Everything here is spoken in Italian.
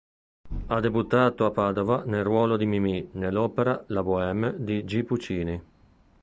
Ha Debuttato a Padova nel ruolo di Mimì nell'opera La Boheme di G. Puccini.